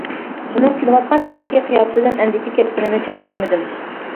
ئۇنىڭ كۈلۈۋاتقان چاغدىكى قىياپىتىدىن ئەندىكىپ كەتكىنىمنى چاندۇرمىدىم.